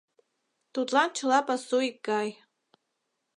Тудлан чыла пасу икгай.